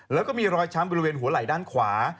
แล้วก็มีรอยช้ำบริเวณหัวไหล่ด้านขวา